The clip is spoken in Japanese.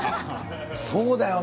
そうだよね。